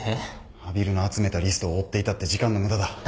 阿比留の集めたリストを追っていたって時間の無駄だ。